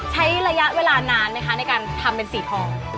ใช้ระยะเวลานานไหมคะในการทำเป็นสีทอง